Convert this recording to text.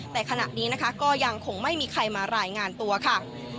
แต่ขณะนี้นะคะก็ยังคงไม่มีใครมารายงานตัวค่ะ